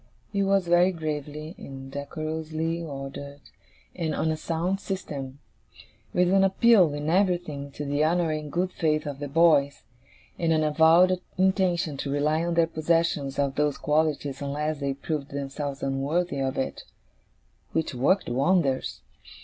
It was very gravely and decorously ordered, and on a sound system; with an appeal, in everything, to the honour and good faith of the boys, and an avowed intention to rely on their possession of those qualities unless they proved themselves unworthy of it, which worked wonders.